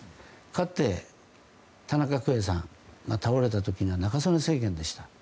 かつて、田中角栄さんが倒れた時に中曽根政権でした。